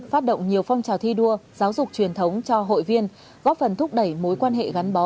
phát động nhiều phong trào thi đua giáo dục truyền thống cho hội viên góp phần thúc đẩy mối quan hệ gắn bó